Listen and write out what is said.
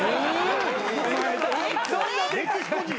そんな。